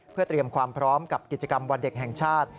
เพื่อเตรียมความพร้อมกับกิจกรรมวันเด็กแห่งชาติ